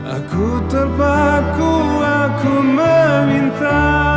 aku terpaku aku meminta